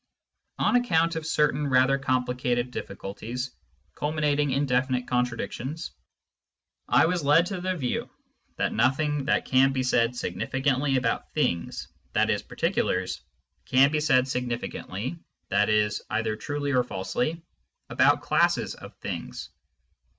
On account of certain rather complicated difficulties, culminating in definite contradictions, I was led to the view that nothing that can be said significantly about things, i.e. particulars, can be said significantly (i.e. either truly or falsely) about classes of things.